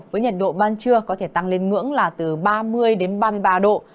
với nhiệt độ ban trưa có thể tăng lên ngưỡng là từ ba mươi đến ba mươi ba độ